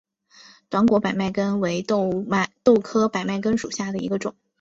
短果百脉根为豆科百脉根属下的一个种。